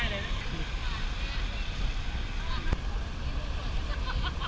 ส่วนข้อมีการหรือเปล่า